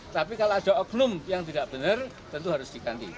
tapi kalau ada oknum yang tidak benar tentu harus diganti